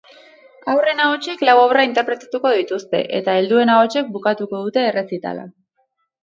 Haurren ahotsek lau obra interpretatuko dituzte eta helduen ahotsek bukatuko dute errezitala.